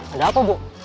ada apa bu